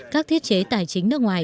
các thiết chế tài chính nước ngoài